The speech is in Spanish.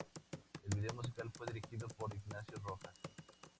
El video musical fue dirigido por Ignacio Rojas.